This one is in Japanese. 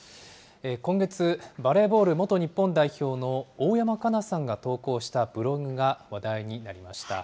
今月、バレーボール元日本代表の大山加奈さんが投稿したブログが話題になりました。